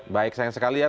baik sayang sekali ya